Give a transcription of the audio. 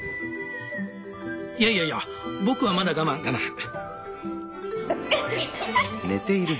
いやいやいや僕はまだ我慢我慢。